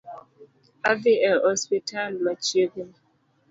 Adhi e osiptal machiegni